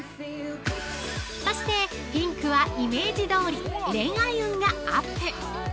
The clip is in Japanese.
◆そしてピンクはイメージどおり恋愛運がアップ。